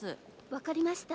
分かりました。